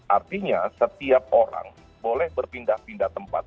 artinya setiap orang boleh berpindah pindah tempat